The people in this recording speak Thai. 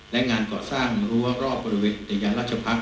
และงานก่อสร้างรั้วรอบบริเวณอุทยานราชพักษ